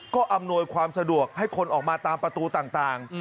ก็อำนวยความสะดวกให้คนออกมาตามประตูต่าง